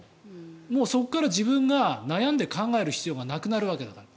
もうそこから自分で悩んで考える必要がなくなるわけだから。